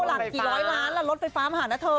หลังกี่ร้อยล้านล่ะรถไฟฟ้ามาหานะเธอ